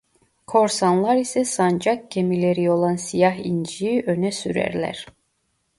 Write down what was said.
Korsanlar ise sancak gemileri olan Siyah İnci'yi öne sürerler.